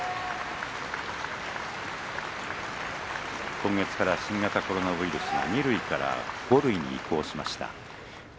今月から新型コロナウイルスは２類から５類になりました。